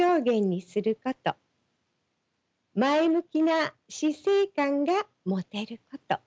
前向きな死生観が持てること。